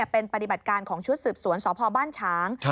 เป็นปฏิบัติการของชุดสืบสวนสพบ้านฉาง